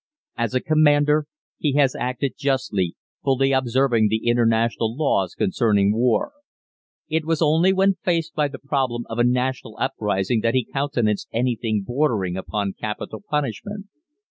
"As a commander, he has acted justly, fully observing the international laws concerning war. It was only when faced by the problem of a national uprising that he countenanced anything bordering upon capital punishment.